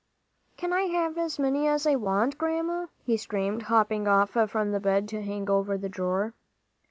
"Can I have as many as I want, Grandma?" he screamed, hopping off from the bed to hang over the drawer.